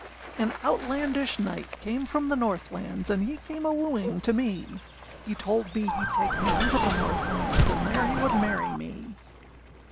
] AN Outlandish knight came from the North lands, And he came a wooing to me; He told me heâd take me unto the North lands, And there he would marry me.